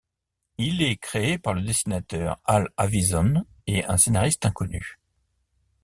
Il est créé par le dessinateur Al Avison et un scénariste inconnu.